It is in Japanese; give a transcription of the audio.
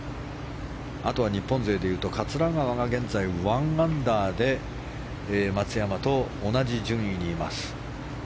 あとは日本勢でいうと桂川が現在１アンダーで松山と同じ順位にいます。